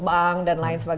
berarti canggih ingat kan